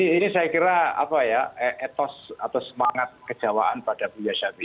ini saya kira apa ya etos atau semangat kejawaan pada beliau syafi'i